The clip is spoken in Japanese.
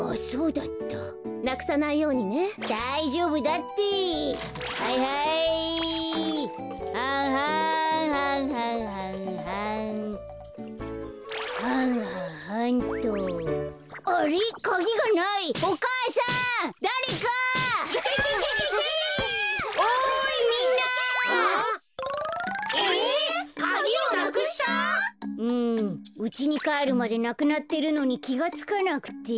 うんうちにかえるまでなくなってるのにきがつかなくて。